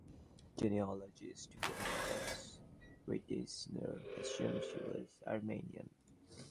Genealogist William Addams Reitwiesner assumed she was Armenian.